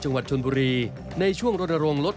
จังหวัดชนบุรีในช่วงรณรงค์ลด